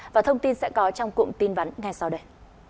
và thông tin sẽ có trong cụm tin vắn ngay sau đây